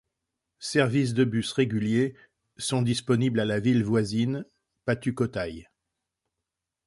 Services de bus réguliers sont disponibles à la ville voisine, Pattukkottai.